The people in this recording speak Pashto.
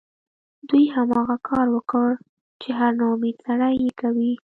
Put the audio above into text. دوی هماغه کار وکړ چې هر ناامیده سړی یې کوي